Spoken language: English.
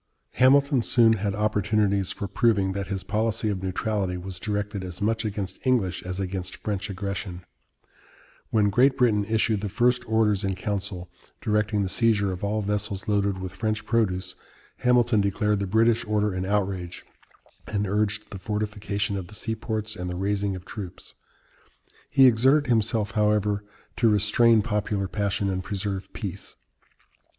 Hamilton soon had opportunities for proving that his policy of neutrality was directed as much against English as against French aggression. When Great Britain issued the first Orders in Council, directing the seizure of all vessels loaded with French produce, Hamilton declared the British order an outrage, and urged the fortification of the seaports and the raising of troops. He exerted himself, however, to restrain popular passion and preserve peace.